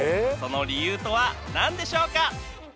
その理由とは何でしょうか？